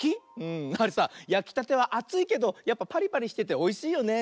あれさやきたてはあついけどやっぱパリパリしてておいしいよね。